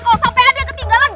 kalau sampai ada yang ketinggalan